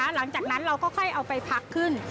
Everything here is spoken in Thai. หลังจากนั้นเราค่อยเอาไปพักขึ้น